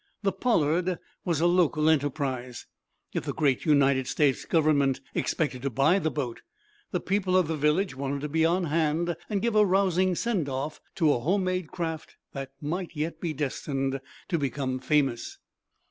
The "Pollard" was a local enterprise. If the great United States Government expected to buy the boat, the people of the village wanted to be on hand and give a rousing send off to a homemade craft that might yet be destined to become famous.